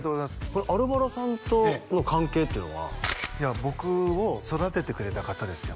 これアルバロさんとの関係っていうのは僕を育ててくれた方ですよ